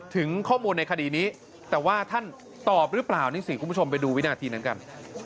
ถึงข้อมูลในคดีนี้แต่ว่าท่านตอบหรือเปล่านี่สิคุณผู้ชมไปดูวินาทีนั้นกัน